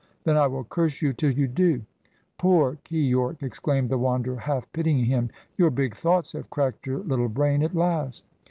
Then I will curse you till you do " "Poor Keyork!" exclaimed the Wanderer, half pitying him. "Your big thoughts have cracked your little brain at last."